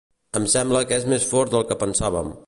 Em sembla que és més fort del que pensàvem.